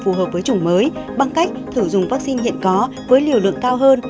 phù hợp với chủng mới bằng cách thử dùng vaccine hiện có với liều lượng cao hơn